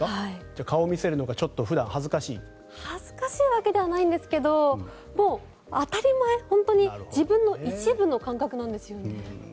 じゃあ、顔を見せるのが普段ちょっと恥ずかしい？恥ずかしいわけではないんですが、もう当たり前本当に自分の一部の感覚なんですよね。